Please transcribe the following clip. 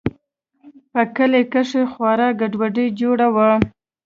په کلي کښې خورا گډوډي جوړه وه.